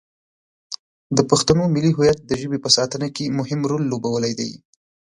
د پښتنو ملي هویت د ژبې په ساتنه کې مهم رول لوبولی دی.